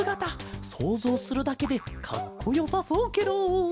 そうぞうするだけでかっこよさそうケロ。